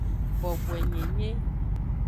Boboenyenye.